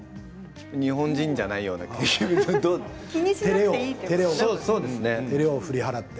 日本人じゃないような感じでね。